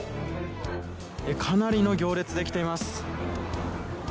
かなりの行列できています。